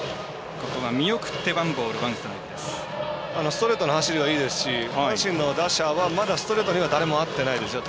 ストレートの走りはいいですし阪神の打者はストレートには誰も合ってないですよ。